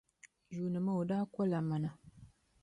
Yuuni maa, o daa kola mana.